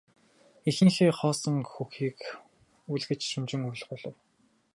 Эхийнхээ хоосон хөхийг үлгэж шөнөжин уйлах болов.